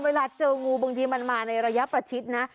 เวลาเจองูบางทีมันมาในระยะประชิดนะ